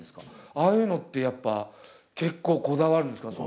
ああいうのってやっぱ結構こだわるんですか？